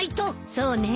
そうね。